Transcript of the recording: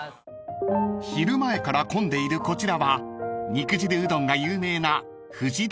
［昼前から混んでいるこちらは肉汁うどんが有名な］